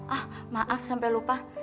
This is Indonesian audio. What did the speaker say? ah maaf sampai lupa